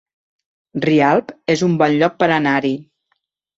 Rialp es un bon lloc per anar-hi